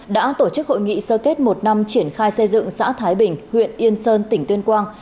đã tổ chức hội nghị sơ kết một năm triển khai xây dựng xã thái bình huyện yên sơn tỉnh tuyên quang